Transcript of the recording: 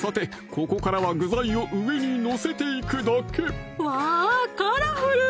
ここからは具材を上に載せていくだけわぁカラフル！